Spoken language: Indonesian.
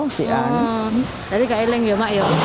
tapi tidak diilang ya ma'yye